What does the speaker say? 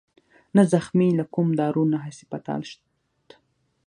نه زخمى له کوم دارو نه هسپتال شت